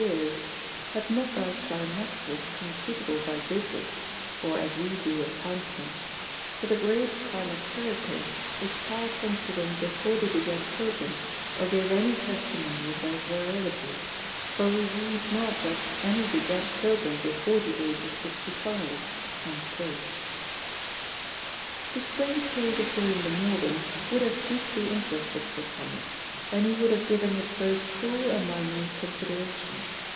yeares, had not their Climacters computable by digits, or as we doe account them; for the great Climactericall was past unto them before they begat children, or gave any Testimony of their virilitie, for we read not that any begat children before the age of sixtie five." The strange case of William De Morgan would have deeply interested Sir Thomas, and he would have given it both full and minute consideration.